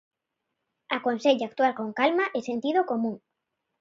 Aconsella actuar con calma e sentido común.